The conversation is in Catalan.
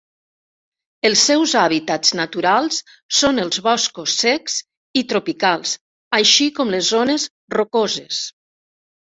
Els seus hàbitats naturals són els boscos secs i tropicals, així com les zones rocoses.